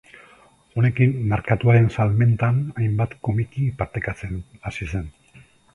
Honekin merkatuaren salmentan hainbat komiki partekatzen hasi zen.